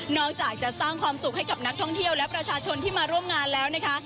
จากจะสร้างความสุขให้กับนักท่องเที่ยวและประชาชนที่มาร่วมงานแล้วนะคะ